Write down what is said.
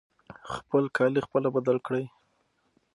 خپل کالي خپله بدل کړئ.